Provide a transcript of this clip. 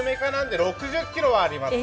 ６０ｋｇはあります。